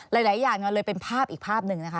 หลายอย่างมันเลยเป็นภาพอีกภาพหนึ่งนะคะ